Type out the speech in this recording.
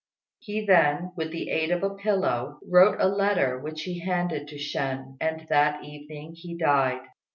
He then, with the aid of a pillow, wrote a letter, which he handed to Shên, and that evening he died.